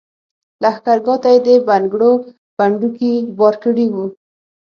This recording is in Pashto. لښګرګاه ته یې د بنګړو پنډوکي بار کړي وو.